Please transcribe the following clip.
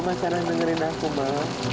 mama sekarang dengerin aku ma